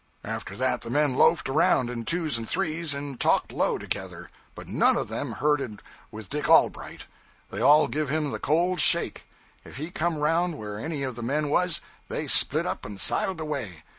After that the men loafed around, in twos and threes, and talked low together. But none of them herded with Dick Allbright. They all give him the cold shake. If he come around where any of the men was, they split up and sidled away.